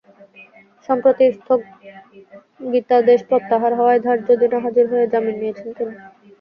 সম্প্রতি স্থগিতাদেশ প্রত্যাহার হওয়ায় ধার্য দিনে হাজির হয়ে জামিন নিয়েছেন তিনি।